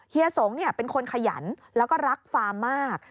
เฮีสงฆ์เป็นคนขยันแล้วก็รักฟาร์มมาก